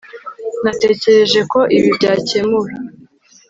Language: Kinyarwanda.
Natekereje ko ibi byakemuwe